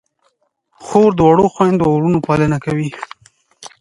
خور د وړو خویندو او وروڼو پالنه کوي.